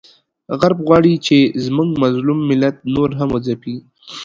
غرب غواړي چې زموږ مظلوم ملت نور هم وځپیږي،